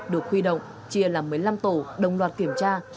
được huy động chia làm một mươi năm tổ đồng loạt kiểm tra